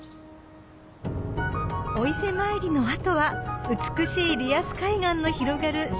お伊勢参りの後は美しいリアス海岸の広がる